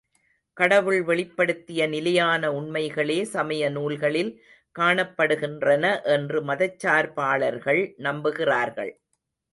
கடவுள் வெளிப்படுத்திய நிலையான உண்மைகளே, சமய நூல்களில் காணப்படுகின்றன என்று மதச்சார்பாளர்கள் நம்புகிறார்கள்.